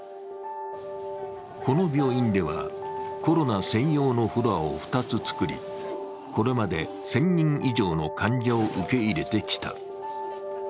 この病院ではコロナ専用のフロアを２つ作り、これまで１０００人以上の患者を受け入れてきた。